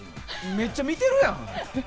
めっちゃ見てるやん！